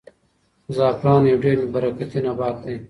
زعفران یو ډېر برکتي نبات دی.